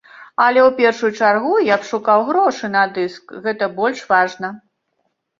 Але ў першую чаргу, я б шукаў грошы на дыск, гэта больш важна.